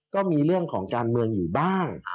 ก็มีเรื่องของการเมืองอยู่บ้าง